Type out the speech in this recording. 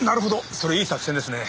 それいい作戦ですね。